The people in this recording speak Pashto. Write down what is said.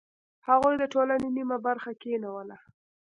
هغوی د ټولنې نیمه برخه کینوله.